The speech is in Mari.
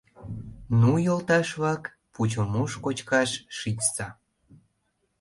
— Ну, йолташ-влак, пучымыш кочкаш шичса!